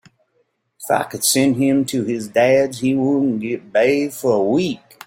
If I send him to his Dad’s he won’t get bathed for a week.